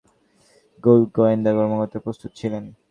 সেই তথ্য পেয়ে রাত নয়টা থেকে শুল্ক গোয়েন্দা কর্মকর্তারা প্রস্তুত ছিলেন।